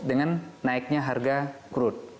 dan naiknya harga crude